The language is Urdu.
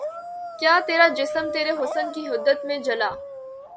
کیا ترا جسم ترے حسن کی حدت میں جلا